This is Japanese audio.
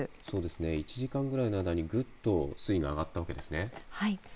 １時間ぐらいの間にぐっと水位が上がっていますね。